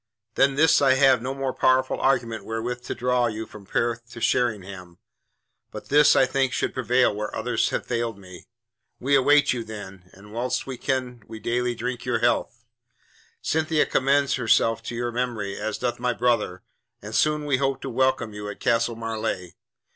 Than this I have no more powerful argument wherewith to draw you from Perth to Sheringham, but this I think should prevail where others have failed me. We await you then, and whilst we wait we daily drink your health. Cynthia commends herself to your memory as doth my brother, and soon we hope to welcome you at Castle Marleigh.